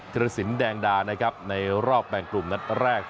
รสินแดงดานะครับในรอบแบ่งกลุ่มนัดแรก